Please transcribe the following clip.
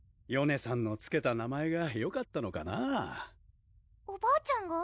さんのつけた名前がよかったのかなおばあちゃんが？